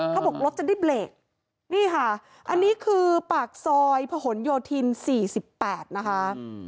เขาบอกรถจะได้เบรกนี่ค่ะอันนี้คือปากซอยพะหนโยธิน๔๘นะคะ